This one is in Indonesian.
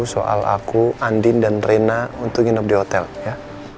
soal aku andin dan rena untuk nginep di hotel ya